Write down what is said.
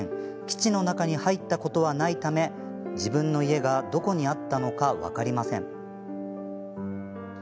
基地の中に入ったことはないため自分の家がどこにあったのか分かりません。